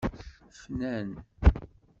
Fnan